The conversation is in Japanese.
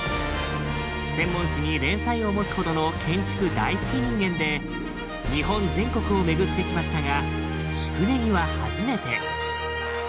専門誌に連載を持つほどの建築大好き人間で日本全国を巡ってきましたが宿根木は初めて。